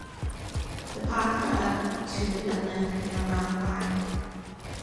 The pods are up to in length and around wide.